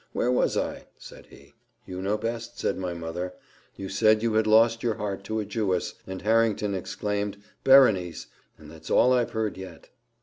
"Where was I?" said he. "You know best," said my mother; "you said you had lost your heart to a Jewess, and Harrington exclaimed Berenice! and that's all I've heard yet."